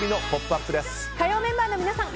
火曜メンバーの皆さん